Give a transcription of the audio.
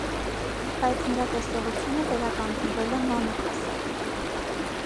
Բայց նրա տեսողությունը վերականգնվել է մանուկ հասակում։